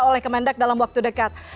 oleh kemendak dalam waktu dekat